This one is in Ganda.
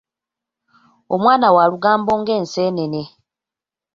Omwana wa lugambo ng'enseenene.